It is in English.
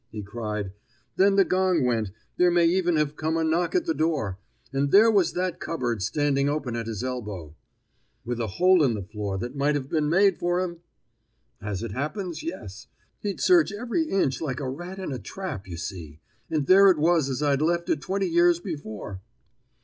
he cried. "Then the gong went there may even have come a knock at the door and there was that cupboard standing open at his elbow." "With a hole in the floor that might have been made for him?" "As it happens, yes; he'd search every inch like a rat in a trap, you see; and there it was as I'd left it twenty years before."